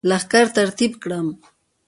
لښکر ترتیب کړم.